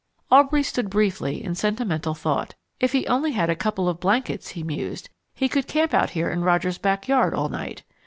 Aubrey stood briefly in sentimental thought. If he only had a couple of blankets, he mused, he could camp out here in Roger's back yard all night.